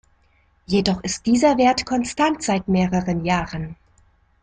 Jedoch ist dieser Wert konstant seit mehreren Jahren.